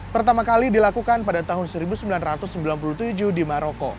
pertama kali dilakukan pada tahun seribu sembilan ratus sembilan puluh tujuh di maroko